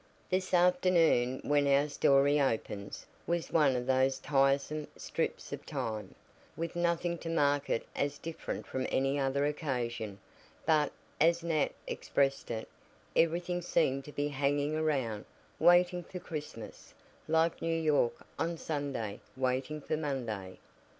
This afternoon, when our story opens, was one of those tiresome "strips of time," with nothing to mark it as different from any other occasion, but, as Nat expressed it, "everything seemed to be hanging around, waiting for Christmas, like New York, on Sunday, waiting for Monday."